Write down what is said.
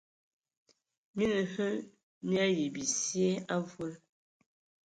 Mina hm mii ayi bisie avol.